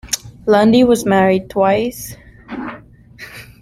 Lundy was married twice.